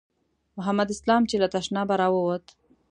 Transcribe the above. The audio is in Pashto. محمد اسلام چې له تشنابه راووت.